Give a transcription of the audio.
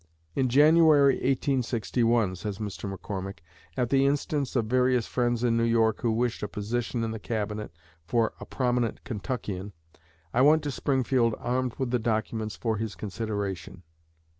"In January, 1861," says Mr. McCormick, "at the instance of various friends in New York who wished a position in the Cabinet for a prominent Kentuckian, I went to Springfield armed with documents for his consideration.